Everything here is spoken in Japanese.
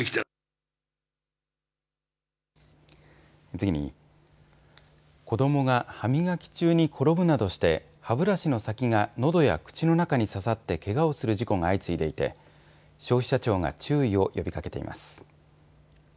次に子どもが歯磨き中に転ぶなどして歯ブラシの先がのどや口の中に刺さってけがをする事故が相次いでいて消費者庁が注意を呼びかけています。